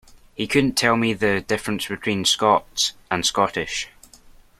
He couldn't tell me the difference between Scots and Scottish